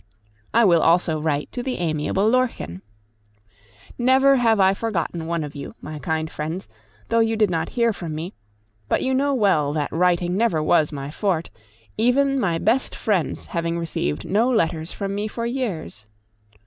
I will also write to the amiable Lorchen. Never have I forgotten one of you, my kind friends, though you did not hear from me; but you know well that writing never was my forte, even my best friends having received no letters from me for years.